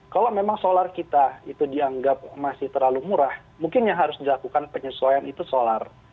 kalau memang solar kita itu dianggap masih terlalu murah mungkin yang harus dilakukan penyesuaian itu solar